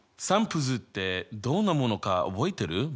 散布図ってどんなものか覚えてる？